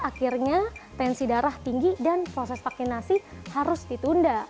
akhirnya tensi darah tinggi dan proses vaksinasi harus ditunda